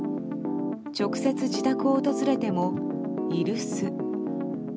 直接、自宅を訪れても居留守。